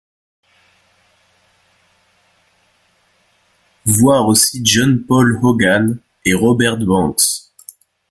Voir aussi John Paul Hogan et Robert Banks.